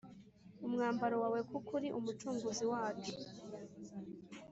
Umwambaro wawe kuko uri umucunguzi wacu